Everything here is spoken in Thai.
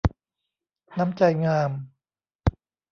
น้ำใจงาม